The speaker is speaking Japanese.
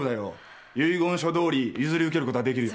遺言書どおり譲り受けることができるよ。